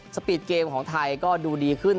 สปีดเกมของไทยก็ดูดีขึ้น